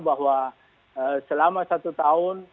bahwa selama satu tahun